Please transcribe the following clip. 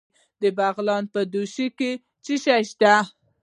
د بغلان په دوشي کې څه شی شته؟